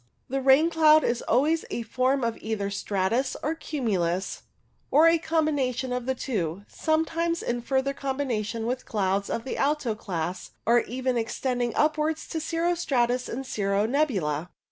The rain cloud is always a form of either stratus or cumulus, or a combination of the two, sometimes in further com bination with clouds of the alto class, or even ex tending upwards to cirro stratus and cirro nebula.